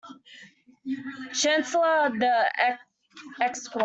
Chancellor of the Exchequer